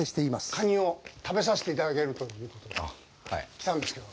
カニを食べさせていただけるということで来たんですけど。